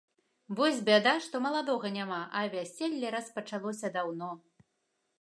Вось бяда, што маладога няма, а вяселле распачалося даўно.